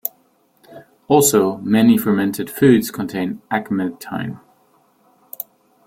Also, many fermented foods contain agmatine.